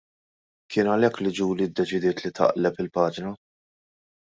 Kien għalhekk li Julie ddeċidiet li taqleb il-paġna.